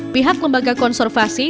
pihak lembaga konservasi